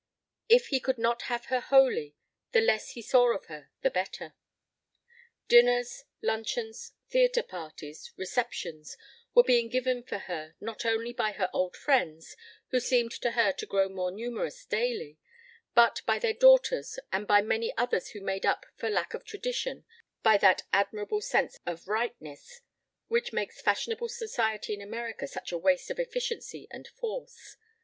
If he could not have her wholly, the less he saw of her the better. Dinners, luncheons, theatre parties, receptions, were being given for her not only by her old friends who seemed to her to grow more numerous daily but by their daughters and by many others who made up for lack of tradition by that admirable sense of rightness which makes fashionable society in America such a waste of efficiency and force.